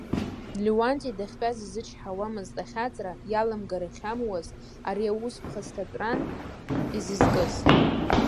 Леуанти дахьтәаз изычҳауамызт ахьаҵра иаламгар ахьамуаз, ари аус ԥхасҭатәран изызкыз.